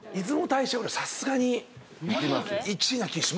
さすがに１位な気しますよ。